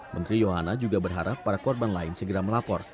menteri yohana juga berharap para korban lain segera melapor